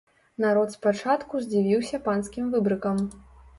Народ спачатку здзівіўся панскім выбрыкам.